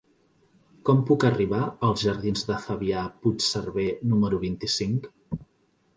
Com puc arribar als jardins de Fabià Puigserver número vint-i-cinc?